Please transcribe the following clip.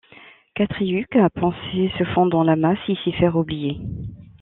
Katriuk a pensé se fondre dans la masse et s'y faire oublier.